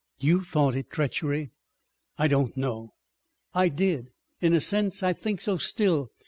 "You thought it treachery." "I don't now." "I did. In a sense I think so still.